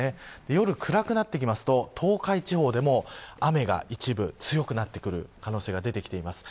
夜暗くなってきますと東海地方でも雨が一部強くなってくる可能性が出てきています。